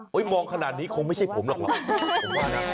มองขนาดนี้คงไม่ใช่ผมหรอกผมว่านะ